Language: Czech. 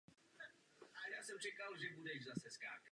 Střed je temnější.